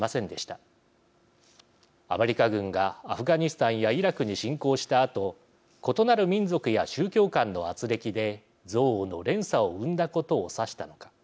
アメリカ軍がアフガニスタンやイラクに侵攻したあと異なる民族や宗教間のあつれきで憎悪の連鎖を生んだことを指したのか。